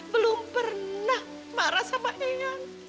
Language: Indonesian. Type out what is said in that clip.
belum pernah marah sama nyayang